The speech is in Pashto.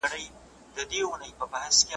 ستا د غواوو دي تېره تېره ښکرونه `